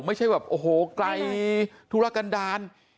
ไม่ใช่แบบโอ้โหไกลธุรกันดาล